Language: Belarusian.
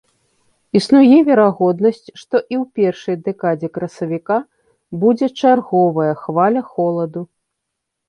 Існуе верагоднасць, што і ў першай дэкадзе красавіка будзе чарговая хваля холаду.